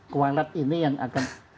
kualat ini yang akan